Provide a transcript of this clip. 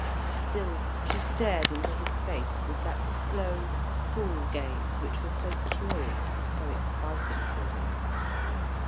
Still she stared into his face with that slow, full gaze which was so curious and so exciting to him.